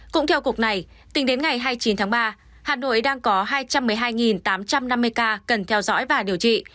cũng theo cục này tính đến ngày hai mươi chín tháng ba hà nội đang có hai trăm một mươi hai tám trăm năm mươi ca cần theo dõi và điều trị